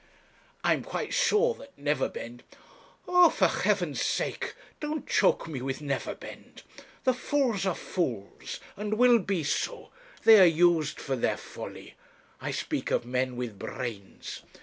'I am quite sure that Neverbend ' 'Oh! for Heaven's sake don't choke me with Neverbend; the fools are fools, and will be so; they are used for their folly. I speak of men with brains.